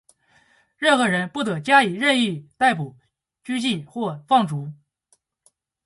任何人不得加以任意逮捕、拘禁或放逐。